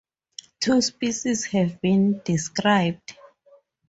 Two species have been described.